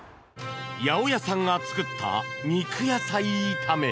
八百屋さんが作った肉野菜炒め。